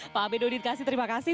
pak aminuddin kasdi terima kasih